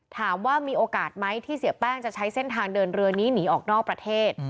ถามว่ามีโอกาสไหมที่เสียแป้งจะใช้เส้นทางเดินเรือนี้หนีออกนอกประเทศ